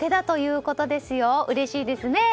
うれしいですね。